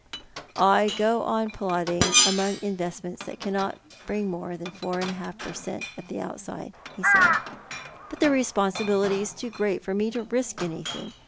" I go plodding on among investments that cannot bring more than four and a half per cent, at the outside," he said ;" but the responsibility is too great for me to risk anything.